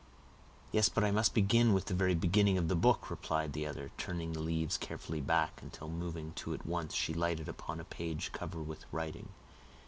"Yes, but I must begin with the very beginning of the book," replied the other, turning the leaves carefully back, until, moving two at once, she lighted upon a page covered with writing.